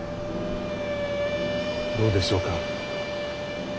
どうでしょうか。